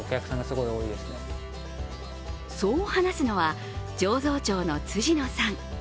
そう話すのは、醸造長の辻野さん